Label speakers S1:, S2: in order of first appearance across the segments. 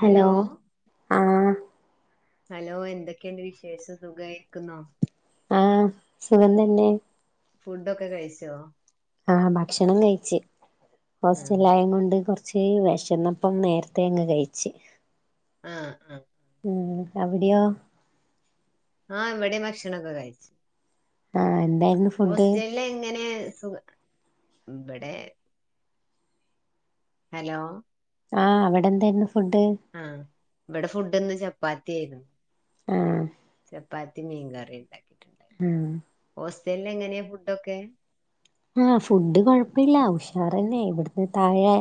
S1: Hello
S2: ആഹ്
S1: hello എന്തൊക്കെയുണ്ട് വിശേഷം സുഖമായിരിക്കുന്നോ
S2: ആഹ് സുഖം തന്നെ
S1: ഫുഡ്‌ ഒക്കെ കഴിച്ചോ
S2: ആഹ് ഭക്ഷണം കഴിച്ച്
S1: ആ
S2: ഹോസ്റ്റലില് ആയതു കൊണ്ട് കൊറച്ച്- ഇച്ചിരി വിശന്നപ്പം നേരത്തെ അങ്ങ് കഴിച്ചു
S1: ആഹ് ആഹ്
S2: ആഹ് അവിടെയോ
S1: ആഹ് ഇവിടെയും ഭക്ഷണം ഒക്കെ കഴിച്ച്
S2: ആഹ് എന്തായിരുന്നു ഫുഡ്
S1: ഹോസ്റ്റലില് എങ്ങനെ സുഖ ഇവിടെ- ഹലോ
S2: ആഹ് അവിടെ എന്താരുന്നു ഫുഡ്
S1: ആഹ് ഇവിടെ ഫുഡിന്ന് ചപ്പാത്തി ആയിരുന്നു
S2: ആഹ്
S1: ചപ്പാത്തിം മീൻ കറി ഉണ്ടാക്കിട്ടുണ്ടായി
S2: ഉം
S1: ഹോസ്റ്റലിൽ എങ്ങനെയാ ഫുഡൊക്കെ
S2: ആഹ് ഫുഡ് കുഴപ്പല്ല ഉഷാർന്നെ ഇവിടുന്ന് താഴെ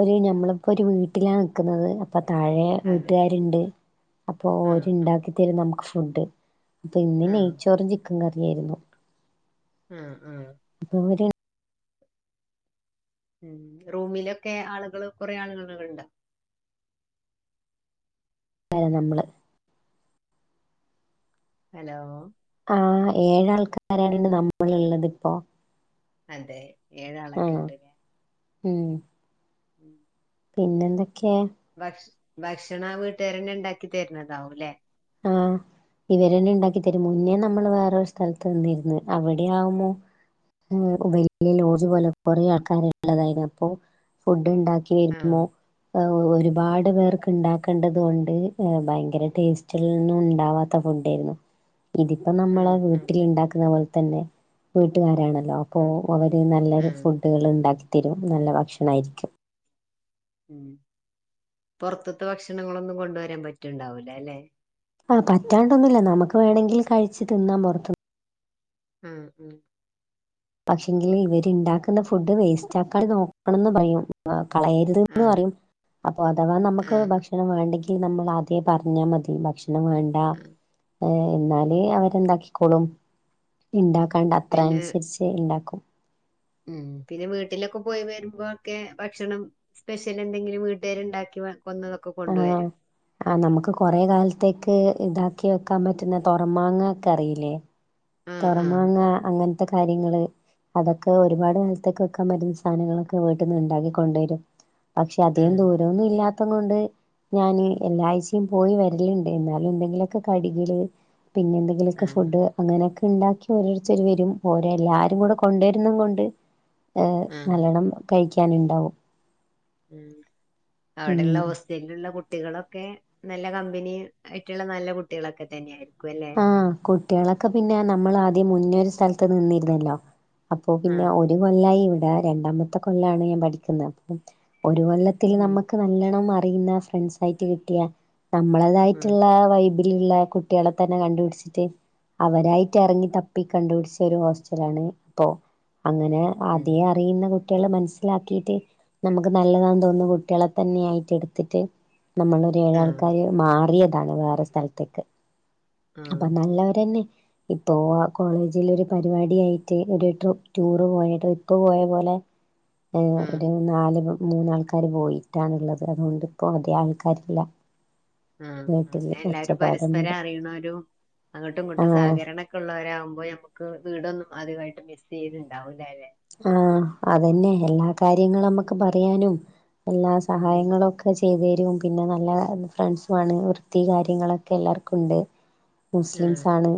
S2: ഒരു ഞമ്മളിപ്പൊരു വീട്ടിലാ നിക്കുന്നത് അപ്പൊ താഴെ.
S1: അതെ
S2: വീട്ട്കാരുണ്ട് അപ്പോ
S1: ആ
S2: ഓര്
S1: ആ
S2: ഇണ്ടാക്കിത്തരും നമുക്ക് ഫുഡ്. പിന്നെ ഇന്ന്
S1: ആ
S2: നെയ്ച്ചോറും ചിക്കൻ കറിം ആരുന്നു
S1: ആഹ് ആഹ്.
S2: അപ്പോര്
S1: ഉം റൂമിലൊക്കെ ആള്കള് കൊറെ ആള്കളുണ്ടാ
S2: ലെ നമ്മള്
S1: ഹലോ.
S2: ആഹ് ഏഴാൾക്കാരാണ് നമ്മളിള്ളത് ഇപ്പോ.
S1: അതെ
S2: ആഹ്
S1: ഏഴാളൊക്കെണ്ട് ഇലേ.
S2: ഉം
S1: ഉം.
S2: പിന്നെ എന്തൊക്കെയാ
S1: ഭക്ഷ ഭക്ഷണം വീട്ടുകാരന്നെ ഇണ്ടാക്കി തരന്നതാവുലേ.
S2: ആഹ്. ഇവരന്നെ ഇണ്ടാക്കി തരും മുന്നേ നമ്മൾ വേറൊരു സ്ഥലത്ത് നിന്നീര്ന്ന് അവിടെയാവുമോ. ഉം കുവൈത്തില് ലോഡ്ജ് പോലെ കൊറേ ആൾക്കാരുള്ളതായ്ന് അപ്പോ ഫുഡ് ഇണ്ടാക്ക
S1: ആഹ്
S2: രുമോ ഒരുപാട് പേർക്ക് ഇണ്ടാക്കണ്ടത് കൊണ്ട് ഭയങ്കര ടേസ് ൽന്നും ഉണ്ടാവാത്ത ഫുഡേര്ന്നു ഇതിപ്പോ നമ്മളെ
S1: ആഹ് ആഹ്
S2: വീട്ടിൽ ഇണ്ടാക്ക്ന്ന പോൽതന്നെ. വീട്ട്കാരാണല്ലോ അപ്പൊ
S1: ആഹ്
S2: അവര് നല്ലൊരു
S1: ആഹ്
S2: ഫുഡുകൾ ഇണ്ടാക്കിത്തരും നല്ല ഭക്ഷണായിരിക്കും.
S1: ഉം പൊർത്ത്ത്തെ ഭക്ഷണങ്ങളൊന്നും കൊണ്ടുവരാൻ പറ്റ്ണ്ടാവൂലലേ.
S2: ആ പറ്റാണ്ടൊന്നുല്ല്യ നമുക്ക് വേണങ്കിൽ കഴിച്ച് തിന്നാം പൊർത്തൂ
S1: ഉം ഉം.
S2: പക്ഷെങ്കില് ഇവര്ണ്ടാക്ക്ന്ന ഫുഡ് വേസ്റ്റാക്കാണ്ട് നോക്കണംന്ന് പറയും. കളയരുത് ന്ന്
S1: ആഹ്
S2: പറയും അപ്പൊ അഥവാ
S1: ആഹ്
S2: നമുക്ക്
S1: ആഹ്
S2: ഭക്ഷ ണം വേണ്ടെങ്കി നമ്മൾ ആദ്യേ പറഞ്ഞാ മതി ഭക്ഷണം വേണ്ടാ. ഏഹ് എന്നാല് അവരെന്താക്കിക്കോളും
S1: ആഹ്
S2: ഇണ്ടാക്കാണ്ട് അത്ര
S1: പിന്നെ
S2: അനുസരിച്ച്. ഏഹ് ഇണ്ടാക്കും.
S1: ഉം പിന്നെ വീട്ടിലൊക്കെ പോയി വരുമ്പോക്കെ ഭക്ഷണം സ്പെഷ്യൽ എന്തെങ്കിലും വീട്ടേര് ഇണ്ടാക്കി വെക്കുന്നതും
S2: ആഹ് ആഹ് നമുക്ക് കൊറേ കാൽത്തേക്ക് ഇതാക്കി വെക്കാൻ പറ്റ്ന്ന തൊറമാങ്ങ ഒക്കെ അറീലേ.
S1: ആഹ് ആഹ്
S2: തൊറമാങ്ങ അങ്ങൻത്തെ കാര്യങ്ങള് അതൊക്കെ ഒരുപാട് കാലത്തേക്ക് വെക്കാം പറ്റുന്ന സാധനങ്ങളൊക്കെ വീട്ട്ന്ന് ഇണ്ടാക്കി കൊണ്ടരും. പക്ഷെ അധികം
S1: ആഹ്
S2: ദൂരൊന്നും ഇല്ലാത്ത കൊണ്ട്. ഞാന് എല്ലാ ആഴ്ചിം പോയി വര്ല്ണ്ട് എന്നാലും എന്തെങ്കിലൊക്കെ കടികള് പിന്നെ എന്ത
S1: ആഹ്
S2: ലൊക്കെഫുഡ് അങ്ങനൊക്കെ ഇണ്ടാക്കി ഓരോരുത്തർ വരും ഓരോ എല്ലാരും കൂടെ കൊണ്ടോരുന്ന കൊണ്ട്. ആഹ് നല്ലോണം കഴിക്കാനുണ്ടാവും.
S1: ഉം അവിടെള്ള
S2: ഉം
S1: ഓസ് ലൂള്ള കുട്ടികളൊക്കെ നല്ല കമ്പനി ആയിട്ട്ള്ള നല്ല കുട്ടികളൊക്കെ തന്നെ ആയിരിക്കും അല്ലെ.
S2: ആഹ് കുട്ടികളൊക്കെ പിന്നെ നമ്മൾ ആദ്യം മുന്നേരു സ്ഥലത്ത് നിന്നിര്ന്നല്ലോ അപ്പൊ പിന്നെ.
S1: ആഹ്
S2: രു കൊല്ലായിഇവിടെ രണ്ടാമത്തെ കൊല്ലാണ് ഞാ പഠിക്കുന്ന് ഒരു കൊല്ലത്തിൽ
S1: ഉം
S2: നമ്മക്ക് നല്ലണം അറിയുന്ന ഫ്രൻസായ്ട്ട്കിട്ട്യാ
S1: ഉം
S2: നമ്മളതായിട്ട്ള്ള വൈബ് ബില്ള്ളെ കുട്ട്യാളെത്തെന്നെ കണ്ടുപിടിച്ചിട്ട് അവരായിട്ട് എർങ്ങി തപ്പി കണ്ടുപിടിച്ചൊരോസ്റ്റലാണ് പ്പോ അങ്ങനെ
S1: ഉം
S2: ആത്യേ അറിയുന്ന കുട്ട്യാളെ മൻസ്സിലാക്കീട്ട് നമ്മക്ക് നല്ലതാന്ന് തോന്നുന്ന കുട്ടികളെ തന്നായിട്ത്ത്ട്ട് നമ്മള്
S1: ആഹ്
S2: ഏഴാൾക്കാര് മാറിയതാണ് വേറൊരു സ്ഥൽത്ത്ക്ക്
S1: ആഹ്
S2: അപ്പൊ നല്ലവരന്നെ ഇപ്പോ കോളേജിലൊരു പരിപാടിയായിട്ട് ഒരു ട്രി ടൂറ് പോയ ട്രിപ്പ്‌ പോയ പോലെ ഏ
S1: ആഹ്
S2: ഒരു നാല് മൂന്നാൾക്കാര് പോയിട്ടാണ്ള്ളത് അതോണ്ടിപ്പോ ധികാൾക്കാരില്ല
S1: ആ അങ്ങനെ എല്ലാരും
S2: ഒച്ചപ്പാടൊന്നുമില്ല
S1: പരസ്പരറിയണോ രു അങ്ങട്ടും
S2: ആ
S1: ഇങ്ങട്ടും സഹകരണൊക്കെള്ളോരാകുമ്പോ നമ്മക്ക് വീടൊന്നും അധികായിട്ട് മിസ് ചെയ്ത്ണ്ടാവുല്ലാല്ലെ
S2: ആ അതെന്നെ എല്ലാ കാര്യങ്ങള് നമ്മക്ക് പറയാനും എല്ലാ സഹായങ്ങളൊക്കെ ചെ ചെയ്തെരും പിന്നെ നല്ല ഫ്രണ്ട്സു ആണ് വൃത്തി കാര്യങ്ങളൊക്കെ എല്ലാർക്കുണ്ട്
S1: ആഹ്
S2: മുസ്ലിംസാണ്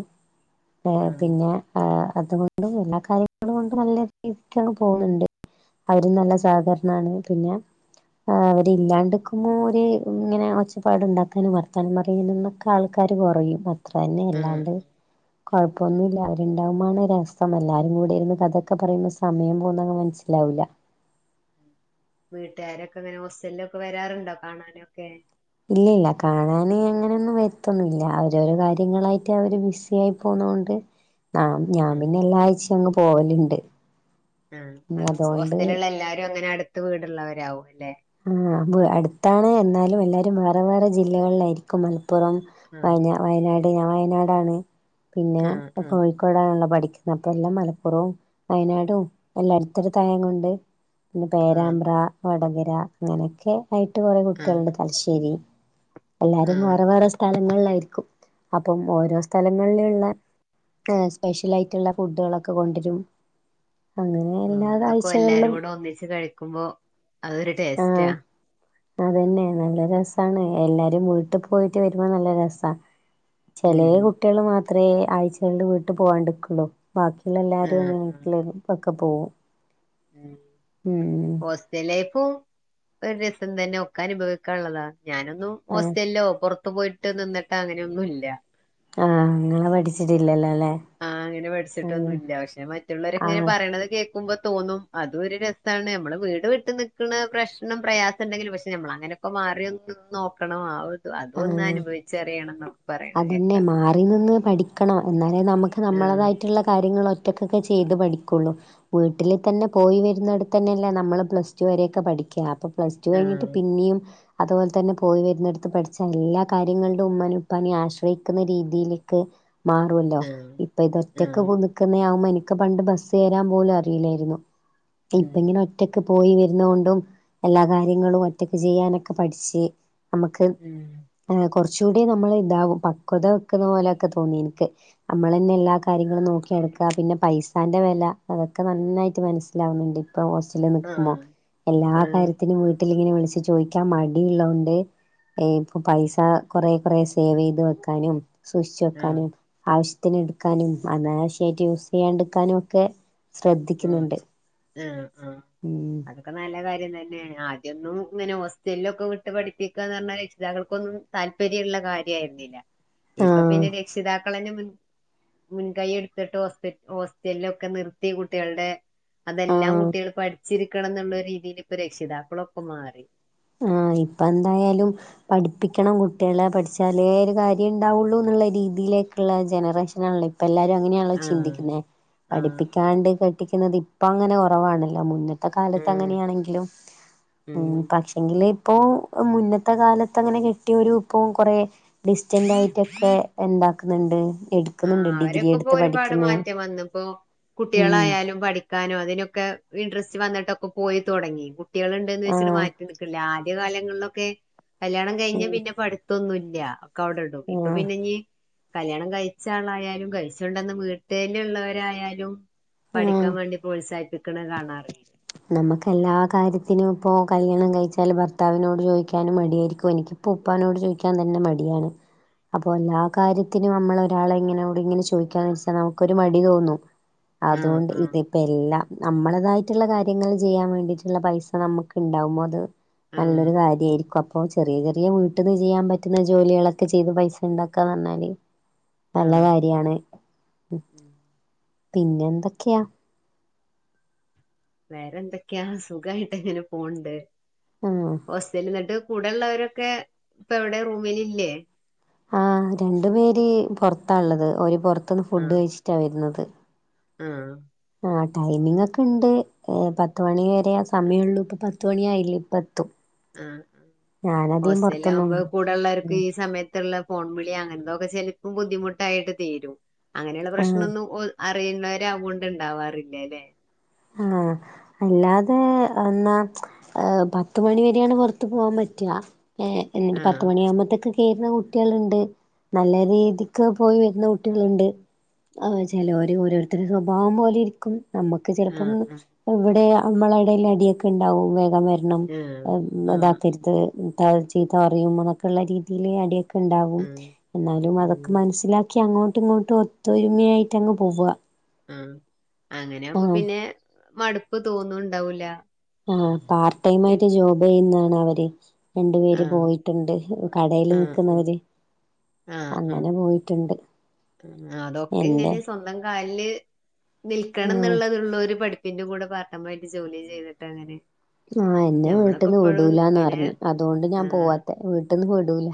S2: ഏ
S1: ആഹ്
S2: പിന്നെ ആ അതുകൊണ്ടും എല്ലാ കാര്യങ്ങളും കൊണ്ടും നല്ലര് ഇക്കെ ണ് പോന്ന്ണ്ട് അവരും നല്ല സഹകരണാണ് പിന്നെ ആ അവര് ഇല്ലാണ്ട്ക്കുമ്പോ ഒര് ഇങ്ങനെ ഒച്ചപ്പാട്ണ്ടാക്കാനും വർത്താനം പറയാനുന്നൊക്കെ ആൾക്കാര് കൊറയും അത്രന്നെ
S1: ആഹ്
S2: അല്ലാണ്ട് കൊഴപ്പൊന്നുല്ല അവരുണ്ടാവുമ്പാണ് രസം എല്ലാരും കൂടിയിര്ന്ന് കഥയക്കെ പറയുമ്പോ സ് സമയം പോവ്ന്നങ് മൻസ്സിലാവൂല്ല
S1: വീട്ട്കാരൊക്കെ ങ്ങനെ ഹോസ്റ്റലിലൊക്കെ വരാറുണ്ടോ കാണാനൊക്കെ
S2: ഇല്ലല്ല കാണാന് അങ്ങനൊന്നും വെര്ത്തൊന്നുല്ല അവരോരോ കാര്യങ്ങളായിട്ട് അവര് ബിസി യായി പോവുന്നൊണ്ട് ആ ഞാൻ
S1: ആഹ്
S2: പിന്നെല്ലാഴ്ചയും അങ്ങ് പോവല്ണ്ട്
S1: ആ അടെ ഹോസ്റ്റല്ള്ളെല്ലാരും അങ്ങനട്ത്ത് വീട്ള്ളവരാവും അല്ലെ
S2: ആ ബ് അട്ത്താണ് എന്നാലും എല്ലാരും വേറെ വേറെ ജില്ലകളിലായിരിക്കും മലപ്പുറം
S1: ആഹ്
S2: വയനാ വയനാട് ഞാ വയനാടാണ് പിന്നെ
S1: ആഹ് ആഹ്
S2: കോഴി ക്കോടാണല്ലോ പഠിക്കുന്നത് അപ്പം എല്ലാം മലപ്പുറവും വയനാടും എല്ലാ അട്ത്തെട്ത്തായതോണ്ട് പിന്നെ
S1: ആഹ്
S2: പേരാമ്പ്ര വടകര ങ്ങനൊക്കെ ആയിട്ട് കൊറെ
S1: ആഹ്
S2: കുട്ട്യാള്ണ്ട് തലശ്ശേരി എല്ലാരും
S1: ആഹ്
S2: വേറെ വേറെ സ് സ്ഥലങ്ങളിലായിരിക്കും അപ്പം ഓരോ സ്ഥലങ്ങൾൽള്ളെ ആ സ്പെഷ്യലായിട്ട്ള്ള ഫുഡാളൊക്കെ കൊണ്ടരും
S1: ആ അതൊക്കെ എല്ലാരും
S2: ആഴ്ചകളിലും
S1: കൂടെ ഒന്നിച്ച് കഴിക്കുമ്പോ അതൊരു ടേസ്റ്റാ
S2: അതെന്നെ നല്ല രസാണ് എല്ലാരും വീട്ട് പോയിട്ട് വെരുമ്പോ നല്ല രസാ ചെലേ
S1: ഉം
S2: കുട്ട്യാള് മാത്രെ ആഴ്ചകളില് വീട്ട് പോവാണ്ട്ക്കൊള്ളു ബാക്കിള്ളെല്ലാരും [unintelligible]
S1: ആഹ് ആഹ്
S2: വീട്ട്ല് പത്ക്കെ പോവും
S1: ഉം
S2: ഉം
S1: ഹോസ് റ്റല്ലേഫും ഒരു രസം തെന്നെ ഒക്കെ അനുഭവിക്കാള്ളതാ ഞാനൊന്നും
S2: ആഹ്
S1: ഹോസ്റ്റല്ലൊ പൊർ ത്ത്‌ പോയിട്ട് നിന്നിട്ടൊ അങ്ങനൊന്നുല്ല
S2: ആ ങ്ങള് പഠിച്ചിട്ടില്ലല്ലോ ല്ലെ
S1: ആഹ് അങ്ങനെ പഠിച്ചിട്ടൊന്നുല്ല പക്ഷെ മറ്റുള്ളവര്ങ്ങനെ
S2: ആഹ്
S1: പർയ്ണത് കേ ക്കുമ്പോ തോന്നും അതും ഒരു രസാണ് നമ്മളെ വീട് വിട്ട് നിക്ക്ണ പ്രശ്നം പ്രയാസണ്ടെങ്കിലും പക്ഷെ നമ്മളങ്ങനെ ക്കെ മാറിയൊന്ന് നിന്നോക്കണം ആ ഒത് അതൊന്ന് അനുഭവിച്ചറിയണംന്നാ
S2: അതെന്നെ മാറി നിന്ന് പഠിക്കണം എന്നാലേ നമ്മക്ക്
S1: ആഹ്
S2: നമ്മളേതായിട്ട്ള്ള കാര്യങ്ങൾ ഒ റ്റക്കൊക്കെ ചെയ്ത് പഠിക്കുള്ളൂ വീട്ടില് തെന്നെ പോയി വെരുന്നോട്ത്തെന്നല്ലേ നമ്മള് പ്ലസ് ടു വരെയൊക്കെ പഠിക്ക അപ്പൊ പ്ലസ് ടു കഴിഞ്ഞിട്ട്
S1: ആഹ്
S2: പിന്നിം അതുപോൽത്തെന്നെ പോയി വെര്ന്നെട്ത്ത് പഠിച്ച എല്ലാ കാര്യങ്ങൾ ലുമ്മനും പ്പനേം ആശ്രയിക്കുന്ന രീതിയിലേക്ക് മാറല്ലോ
S1: ആഹ്
S2: ഇപ്പ ഇതൊറ്റക്ക്
S1: ആഹ്
S2: പോ നിക്ക് ക്ക്ന്ന്യാവുമ്പോ എനിക്ക് പണ്ട് ബസ് കേറാൻ പോലും അറിയില്ലാര്ന്നു
S1: ഉം
S2: ഇപ്പങ്ങനെ ഒറ്റ പോയി വെര്ന്നോണ്ടും എല്ലാ കാര്യങ്ങളും ഒറ്റക്ക് ചെയ്യാനൊക്കെ പഠിച്ച് നമക്ക്
S1: ഉം
S2: എഹ് കുറച്ചുടി നമ്മൾ ഇതാവും പക്വത വെക്കുന്ന പോലെയൊക്കെ തോന്നി എനിക്ക് നമ്മള്ന്നെ എല്ലാ കാര്യങ്ങളും നോക്കിടുക്ക പിന്നെ പൈസ് ൻ്റെ വെല അതൊക്കെ നന്നായിട്ട് മനസ്സിലാവുന്നുണ്ട് ഇപ്പ ഹോസ്റ്റലില് നിക്കുമ്പോ
S1: ആഹ്
S2: എല്ലാ
S1: ആഹ്
S2: കാര്യത്തിനും വീ ട്ടില് ഇങ്ങനെ വിളിച്ച് ചോദിക്കാൻ മടിള്ളൊണ്ട് ഏഹ് പൈസ കുറ കുറശേ സേവയ്ത് വെക്കാനും സൂഷ്ച്ച് വെക്കാനും
S1: ആഹ്
S2: ആവശ്യത്തിന് എടുക്കാനും അന്നാവശ്യായിട്ട് യൂസ് ചെയ്യാടുക്കാനും ഒക്കെ ശ്രദ്ധിക്കുന്നുണ്ട് ഉം
S1: ഒക്കെ നല്ല കാര്യം തന്നെ ആദ്യം ഒന്നും ഇങ്ങനെ ഹോസ്റ്റലിലൊക്കെ വിട്ട് പഠിപ്പിക്കുകന്ന് പറഞ്ഞാ രക്ഷിതാക്കൾക്കൊന്നും താല്പര്യമുള്ള കാര്യമായിരുന്നില്ല ഇപ്പൊ
S2: ആഹ്
S1: പിന്നെ രക്ഷിതാക്ക ക്കളന്നെ മുൻ മുൻകൈ എടുത്തിട്ട് ഇപ്പ ഹോസ്റ്റല ഒക്കെ നിർത്തി കുട്ടികളുടെ അതെല്ലാം
S2: ആഹ്
S1: കുട്ടികൾ പഠിച്ചിരിക്കണം എന്നുള്ള രീതിയിൽ ഇപ്പൊ രക്ഷിതാക്കളൊക്കെ മാറി
S2: ആഹ് ഇപ്പൊ എന്തായാലും പഠിപ്പിക്കണം കുട്ടികള പഠിച്ചാല ഒരു കാര്യം ഉണ്ടാവുള്ളൂ എന്നുള്ള രീതിയിലേക്കുള്ള ജനറേഷന ആണല്ലോ ഇപ്പ എല്ലാരും അങ്ങനെയാണല്ലോ
S1: ആഹ്
S2: ചിന്തിക്കുന്നേ
S1: ആഹ്
S2: പഠിപ്പിക്ക
S1: ആഹ്
S2: ണ്ട് കെട്ടിക്കുന്നത് ഇപ്പ അങ്ങനെ കുറവാണല്ലോ മുന്നിട്ട് ഇന്നത്തെ കാലത്ത്
S1: ഉം
S2: അങ്ങനെയാണെങ്കിലും
S1: ഉം
S2: ഭക്ഷ എങ്കിൽ ഇപ്പോ മുന്നത്തെ കാലത്ത് അങ്ങനെ കെട്ടിയൊ ഒരു ഇപ്പ കൊറ ഡിസ്റ്റന്റ് ആയിട്ടൊക്കെ ഉണ്ടാക്കുന്നുണ്ട്
S1: ആഹ് അവരൊക്കെ ഇപ്പൊ ഒരുപാട് മാറ്റം വന്ന ഇപ്പോ
S2: ഉം
S1: കുട്ടികളായാലും പഠിക്ക ക്കാനും അതിനൊക്കെ ഇൻട്രസ്റ്റ് വന്നിട്ടൊക്കെ പോയി തുടങ്ങി കുട്ടികള ഉണ്ട്ന്ന് വെച്ചിട്ട്
S2: ആഹ്
S1: മാറ്റി നിൽക്കില്ല പഴയ കാലങ്ങളിലൊക്കെ കല്യാണം കഴിഞ്ഞ
S2: ഉം
S1: പിന്നെ പഠിത്തൊന്നുംമില്ല ഒക്കെ അവിടെ ഇപ്പൊ
S2: ആഹ്
S1: പിന്നെ ഈ കല്യാണം കഴിച്ച ച്ച ആളായാലും കഴിച്ചോണ്ടന്ന് വീട്ട തന്നെ ഉള്ളവരായാലും
S2: ആഹ്
S1: പഠിക്കാൻ വേണ്ടി പ്രോത്സാഹിപ്പിക്കണ കാണാറ്
S2: നമുക്ക് എല്ലാ കാര്യത്തിനും ഇപ്പോൾ കല്യാണം കഴിച്ചാൽ ഭർത്താവിനോട് ചോദിക്കാനും മടിയായിരിക്കും എനിക്ക് ഇപ്പോ ഉപ്പാനോട് ചോദിക്കാൻ തന്നെ മടിയാണ് അപ്പൊ എല്ലാ കാര്യത്തിനും നമ്മള ഒരാളെ ഇങ്ങനൊട് ഇങ്ങനെ ചോദിക്കാന്ന് വെച്ചാൽ നമുക്ക ഒരു മടി തോന്നുന്നു
S1: ആഹ്
S2: അതുകൊണ്ട്
S1: ആഹ്
S2: ഇതിപ്പോ എല്ലാം നമ്മളേതായിട്ടുള്ള കാര്യ കര്യയങ്ങൾ ചെയ്യാൻ വേണ്ടിയിട്ടുള്ള പൈസ നമുക്ക് ഉണ്ടാാവുമ്പോൾ അത്
S1: ആഹ്
S2: നല്ലൊരു കാര്യമായിരിക്കും ഇപ്പോ ചെറിയ ചെറിയ വീട്ടിൽ നിന്ന് ചെയ്യാൻ പറ്റുന്ന ജോലികളൊക്കെ ചെയ്ത് പൈസ ഉണ്ടാക്കുകന്ന് പറഞ്ഞാല്
S1: ആഹ്
S2: പിന്നെ എന്തൊക്കെയാ
S1: വേറെ എന്തൊക്കെയാ സുഖായിട്ട് എങ്ങനെ പോണ്ട്
S2: ആ
S1: ഹോസ്റ്റലന്നിട്ട് കൂടെയുള്ളവരൊക്കെ ഇപ്പ എവിടെ റൂമിലല്ലേ
S2: ആഹ് രണ്ടു പേര് പുറത്താള്ളത് ഒര് പുറത്തന്ന് ഫുഡ്
S1: ആഹ്
S2: കഴിച്ചിട്ടാ വരുന്നത്
S1: ആഹ്
S2: ആഹ് ടൈമിംഗ ഒക്കെ ഉണ്ട് പത്ത് മണി വരെ സമയമള്ളൂ ഇപ്പ പത്തിമണിആയില്ലേ ഇപ്പത്തും
S1: ആഹ് ഹോസ്റ്റല
S2: പൊറത്തൊന്നും
S1: ആകുമ്പോ കൂടെള്ളവർക്ക്
S2: ഉം
S1: ഈ സമയത്ത് ള്ള ഫോൺ വിളി അങ്ങനതൊക്കെ ചിലപ്പോം ബുദ്ധിമുട്ടായിട്ട് തിരും അങ്ങനെയുള്ള പ്രശ്നം
S2: ആഹ്
S1: ഒന്നും അറിയുന്നവര അയത് കൊണ്ട്ണ്ടാവാറില്ലേ അല്ലെ
S2: ആഹ് അല്ലാതെ എന്നാ ഏഹ് പത്ത് മണി വരെയാണ് പുറത്ത പോകാൻ പറ്റുക ഏഹ് എന്നിട്ട്
S1: ആഹ്
S2: പത്ത് മണിയ ആകുമ്പോത്തേക്കെ കേറുന്ന കുട്ടികളുണ്ട് നല്ല രീതിക്ക് പോയി വരുന്ന കുട്ടികളുണ്ട് ആഹ് ചിലവര ഓരോരുത്തരു സ്വഭാവം പോലെ ഇരിക്കും നമുക്ക് ചെലപ്പം
S1: ആഹ്
S2: ഇവിടെ നമ്മള ഇടൽ അടിയൊക്കെ ഉണ്ടാവും വേഗം വര രണം
S1: ആഹ് ആഹ് ആഹ്
S2: ഇതാക്കരുത് ചിത്ത പറയും അതൊക്കെള്ള രീതി അടി ഒക്കെ ഉണ്ടാവും
S1: ആഹ്
S2: എന്നാലും അതൊക്കെ
S1: ഉം
S2: മനസ്സിലാക്കി അങ്ങോട്ടും ഇങ്ങോട്ടും ഒത്തൊരുമയായിട്ട് അങ്ങ് പോവുക
S1: ആഹ് അങ്ങനാവുമ്പോ
S2: ആഹ്
S1: പിന്നെ മടുപ്പ് തോന്നുണ്ടാവൂല
S2: ആഹ് പാർട്ട് ടൈം
S1: ആഹ്
S2: ആയിട്ട് ജോബ് ചെയ്യുന്നതാണ് അവര് രണ്ടു പേര്
S1: ആഹ്
S2: പോയിട്ടുണ്ട് കടയിൽ
S1: ആഹ്
S2: നിക്കുന്നവര്
S1: ആഹ് ആഹ്
S2: അങ്ങനെ പോയിട്ടുണ്ട്
S1: അതൊക്കെ
S2: എന്റെ
S1: ഇങ്ങനെ സ്വന്തം കാലില് നിൽക്കണം
S2: ആഹ്
S1: എന്നുള്ളതള്ള ഒരു പഠിപ്പ് [unintelligible] കൂടെ പാർടൈം ആയിട്ട് ജോലി ചെയ്തിട്ട് അങ്ങനെ
S2: ആഹ് എന്നെ
S1: ഞമ്മളൊക്കെ
S2: വീട്ടിന്ന്
S1: ഇപ്പോഴും
S2: വിടൂലന്ന്
S1: ഇങ്ങനെ
S2: പറഞ്ഞ് അതുകൊണ്ട് ഞാൻ
S1: ആഹ്
S2: പോവാത്തെ വീട്ടിന്ന് വിടൂല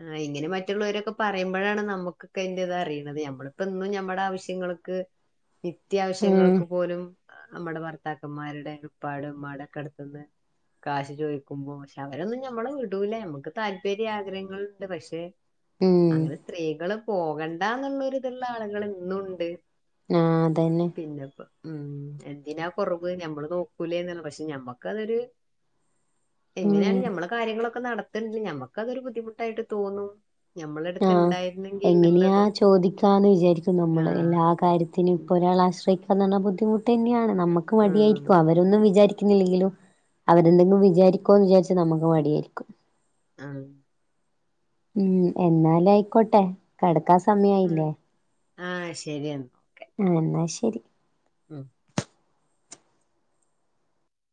S1: ആഹ് ഇങ്ങനെ മറ്റുള്ളവരൊക്കെ പറയുമ്പഴാണ് നമ്മുക്കൊക്കെ അയ്ന്റെതറിയ്ണത് ഞമ്മളിപ്പെന്നും ഞമ്മളാവശ്യങ്ങൾക്ക്
S2: ഉം
S1: നിത്യാവശ്യങ്ങൾക്ക് പോലും നമ്മടെ ഭർത്താക്കന്മാരുടെ ഉപ്പാടേം മ്മാടൊക്കടുത്ത്ന്ന് കാശ് ചോദിക്കുമ്പോ പക്ഷെ അവരൊന്നും ഞമ്മളെ വിടൂല നമ്മക്ക് താല്പര്യം ആഗ്രഹം ങ്ങളുണ്ട് പക്ഷെ
S2: ഉം
S1: അങ്ങനെ സ്ത്രീകള് പോകണ്ടാന്നുള്ളൊര്ത്ള്ള ആളുകള്ന്നുണ്ട്
S2: ആഹ് അതന്നെ
S1: പിന്നപ്പ ഉം എന്തിനാ കുറവ് ഞമ്മള് നോക്കൂലേന്ന്ല്ല പക്ഷെ ഞമ്മക്കതൊരു
S2: ഉം
S1: എങ്ങനായാലും ഞമ്മള കാര്യങ്ങളൊക്കെ നടത്തെങ്കിലും ഞമ്മക്കതൊരു ബുദ്ധിമുട്ടായിട്ട് തോന്നും ഞമ്മളെ അടുത്ത്
S2: ആഹ്
S1: ഉണ്ടായിരുന്നെങ്കിൽ
S2: എങ്ങനെയാ
S1: എന്നുള്ളത്
S2: ചോദിക്കാന്ന് വിചാരിക്കും
S1: ആ
S2: നമ്മള് എല്ലാ കാര്യത്തിനും
S1: ഉം
S2: [unintelligible] ബുദ്ധിമുട്ട് തന്നെയാണ് നമുക്ക്
S1: ഉം
S2: മടിയായിരിക്കും അവ രൊന്നും വിചാരിക്കുന്നില്ലെങ്കിലും അവരെന്തെങ്കിലും വിചാരിക്കോന്ന് വിചാരിച്ച് നമ്മക്ക് മടിയായിരിക്കും
S1: ആഹ്
S2: ഉം എന്നാലായ്ക്കോട്ടെ കടക്കാൻ സമയായില്ലേ
S1: ആഹ് ശരിയെന്നാ
S2: ആഹ് എന്നാ ശരി
S1: ഉം